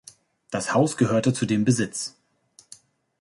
Das Haus gehörte zu dem Besitz.